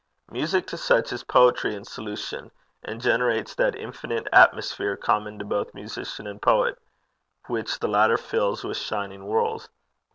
Music to such is poetry in solution, and generates that infinite atmosphere, common to both musician and poet, which the latter fills with shining worlds.